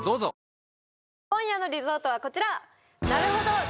今夜のリゾートはこちら！